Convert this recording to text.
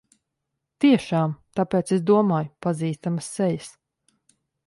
Tiešām! Tāpēc es domāju pazīstamas sejas.